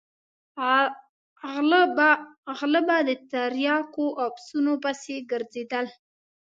غله به د تریاکو او پسونو پسې ګرځېدل.